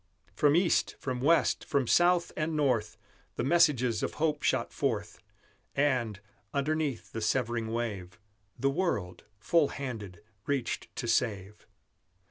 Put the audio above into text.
From East, from West, from South and North, The messages of hope shot forth, And, underneath the severing wave, The world, full handed, reached to save.